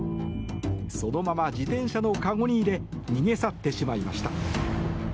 そのまま自転車のかごに入れ逃げ去ってしまいました。